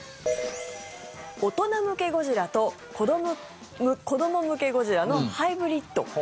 大人向けゴジラと子ども向けゴジラのハイブリッド。